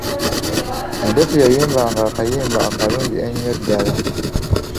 Endeku yayimbanga akayimba akalungi ennyo ddala.